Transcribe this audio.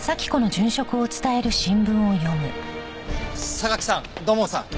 榊さん土門さん